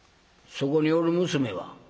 「そこにおる娘は？